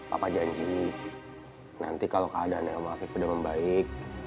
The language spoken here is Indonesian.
papa janji nanti kalau keadaan oma fief udah membaik